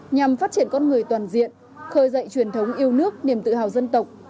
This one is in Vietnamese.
nhằm phát triển con người toàn diện khơi dậy truyền thống yêu nước niềm tự hào dân tộc